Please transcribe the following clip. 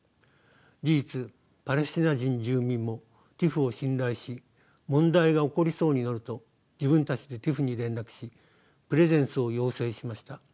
事実パレスチナ人住民もＴＩＰＨを信頼し問題が起こりそうになると自分たちでＴＩＰＨに連絡しプレゼンスを要請しました。